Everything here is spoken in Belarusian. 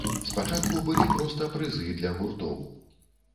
Спачатку былі проста прызы для гуртоў.